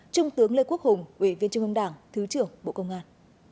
trung tướng lê quốc hùng ủy viên trung ương đảng thứ trưởng bộ công an